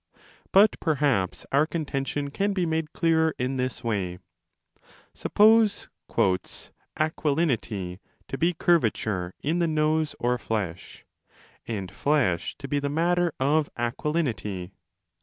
But perhaps our contention can be made clearer in this way. Suppose 'aquilinity' to be curvature in the nose or flesh, and flesh to be the matter of aquilinity.